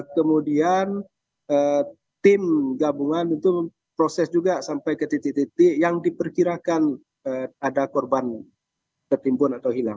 kemudian tim gabungan itu proses juga sampai ke titik titik yang diperkirakan ada korban tertimbun atau hilang